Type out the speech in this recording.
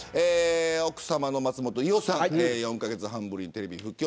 奥さまの松本伊代さん４カ月半ぶりテレビ復帰